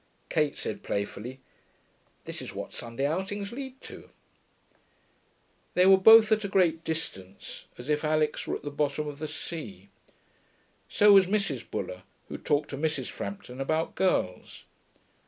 Kate said, playfully, 'This is what Sunday outings lead to.' They were both at a great distance, as if Alix were at the bottom of the sea. So was Mrs. Buller, who talked to Mrs. Frampton about girls.